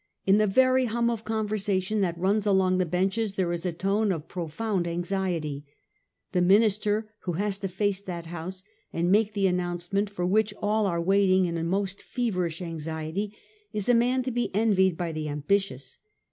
In the very hum of conversation that runs along the benches there is a tone of profound anxiety. The minister who has to face that House and make the announce ment for which all are waiting in a most feverish anxiety is a man to be envied by the ambitious.